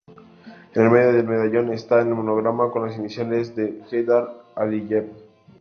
En el medio del medallón está el monograma con las iniciales de Heydar Aliyev.